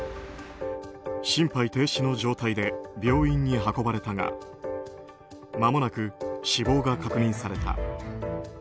心肺停止の状態で病院に運ばれたがまもなく死亡が確認された。